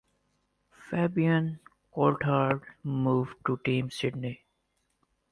Fabian Coulthard moved to Team Sydney.